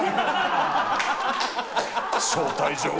招待状を。